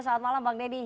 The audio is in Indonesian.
saat malam bang deddy